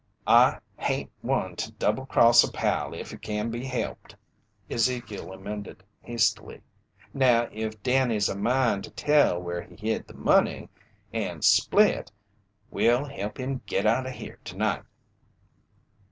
"I hain't one to double cross a pal if it can be helped," Ezekiel amended hastily. "Now if Danny's a mind to tell where he hid the money, and split, we'll help him git out o' here tonight."